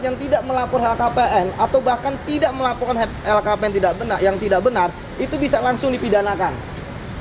yang pencrye tahunrated ini sudah bisa dilakukan harus sepuluh lima belas tahun dan sangat berhubungan dengan martinez k